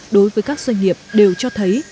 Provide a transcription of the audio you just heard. đối với các doanh nghiệp đều cho thấy